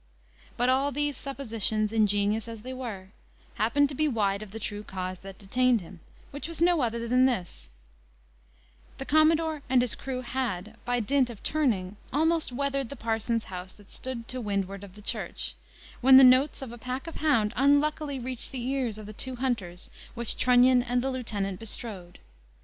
But all these suppositions, ingenious as they were, happened to be wide of the true cause that detained him, which was no other than this: the commodore and his crew had, by dint of turning, almost weathered the parson's house that stood to windward of the church, when the notes of a pack of hounds unluckily reached the ears of the two hunters which Trunnion and the lieutenant bestrode.